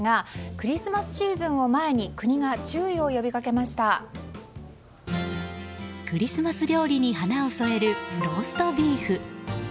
クリスマス料理に華を添えるローストビーフ。